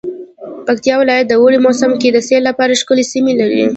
پکتيا ولايت د اوړی موسم کی د سیل لپاره ښکلی سیمې لری